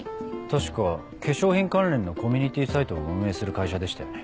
確か化粧品関連のコミュニティーサイトを運営する会社でしたよね。